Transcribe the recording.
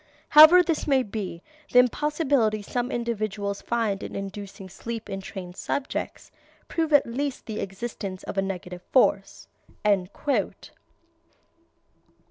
However this may be, the impossibility some individuals find in inducing sleep in trained subjects, proves at least the existence of a negative force."